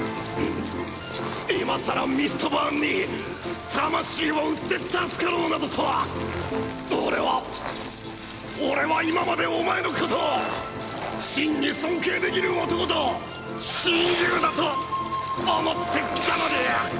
今更ミストバーンに魂を売って助かろうなどとは俺は俺は今までお前のことを真に尊敬できる男と親友だと思ってきたのに。